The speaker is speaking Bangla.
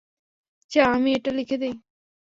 চাও আমি এটা লিখে দিই?